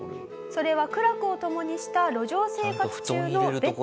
それは苦楽を共にした路上生活中のベッド。